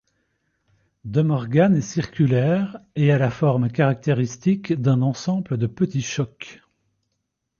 De Morgan est circulaire et a la forme caractéristique d'un ensemble de petits chocs.